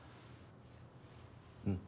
うん